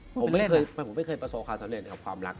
ผมไม่เคยประสงค์คาซาเล่นกับความรัก